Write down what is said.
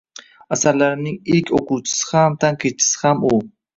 Asarlarimning ilk o‘quvchisi ham, tanqidchisi ham u